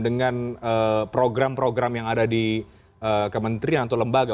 dengan program program yang ada di kementerian atau lembaga